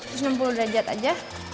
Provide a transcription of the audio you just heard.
satu ratus enam puluh derajat aja